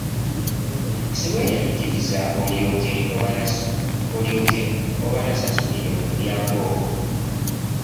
Siweeyaniikiriza olyoke obanasulire mu mulyango omwo.